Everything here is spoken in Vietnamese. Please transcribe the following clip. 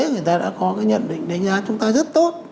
người ta đã có cái nhận định đánh giá chúng ta rất tốt